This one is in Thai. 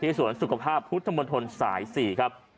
สวนสุขภาพพุทธมนตรสาย๔ครับ